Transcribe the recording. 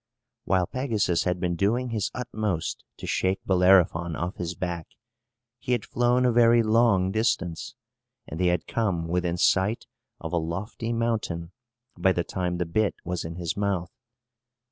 While Pegasus had been doing his utmost to shake Bellerophon off his back, he had flown a very long distance; and they had come within sight of a lofty mountain by the time the bit was in his mouth.